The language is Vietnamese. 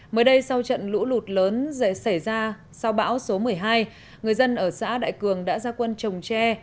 mới đây sau trận lũ lụt lớn xảy ra sau bão số một mươi hai người dân ở xã đại cường đã ra quân trồng tre